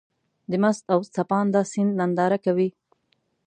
د مست او څپانده سيند ننداره کوې.